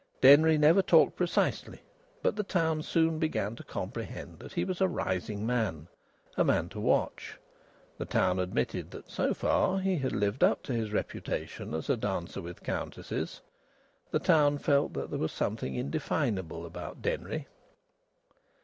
Denry never talked precisely. But the town soon began to comprehend that he was a rising man, a man to watch. The town admitted that, so far, he had lived up to his reputation as a dancer with countesses. The town felt that there was something indefinable about Denry.